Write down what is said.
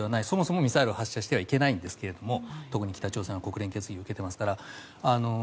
そもそもミサイルは発射してはいけませんが特に北朝鮮は国連決議を受けていますから。